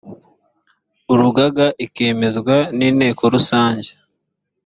urugaga ikemezwa n inteko rusange